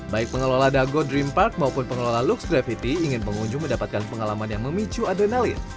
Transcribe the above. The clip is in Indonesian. baik pengelola dago dream park maupun pengelola looks gravity ingin pengunjung mendapatkan pengalaman yang memicu adrenalin